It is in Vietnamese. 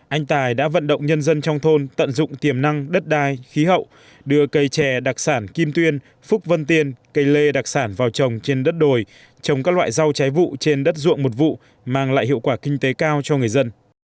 anh tài đã vận động nhân dân trong thôn tận dụng tiềm năng đất đai khí hậu đưa cây chè đặc sản kim tuyên phúc vân tiên cây lê đặc sản vào trồng trên đất đồi trồng các loại rau trái vụ trên đất ruộng một vụ mang lại hiệu quả kinh tế cao cho người dân